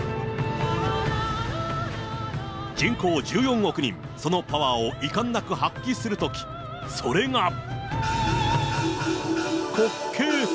人口１４億人、そのパワーをいかんなく発揮するとき、それが、国慶節。